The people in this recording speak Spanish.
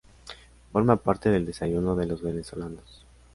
Forma parte del desayuno de los venezolanos.